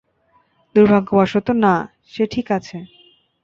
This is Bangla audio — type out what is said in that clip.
দূর্ভাগ্যবশত না, সে ঠিক আছে।